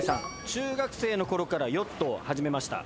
中学生のころからヨットを始めました。